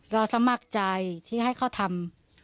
สมัครใจที่ให้เขาทำ